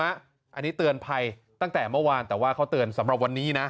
อันนี้เตือนภัยตั้งแต่เมื่อวานแต่ว่าเขาเตือนสำหรับวันนี้นะ